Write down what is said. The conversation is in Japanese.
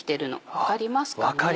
分かります。